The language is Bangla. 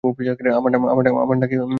আমার নাকি তোমার?